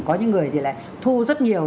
có những người thì lại thu rất nhiều